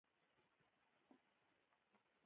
ما ستا له راتګه خبر کړ چې غوښتل يې بیلیارډ لوبه وکړي.